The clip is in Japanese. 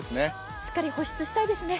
しっかり保湿したいですね。